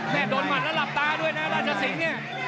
แม่โดนหมัดแล้วหลับตาด้วยนะราชสิงศ์